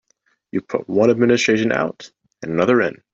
You've put one administration out and another in.